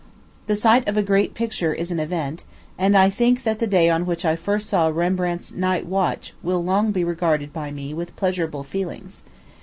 The sight of a great picture is an event; and I think that the day on which I first saw Rembrandt's Night Watch will long be regarded by me with pleasurable feelings.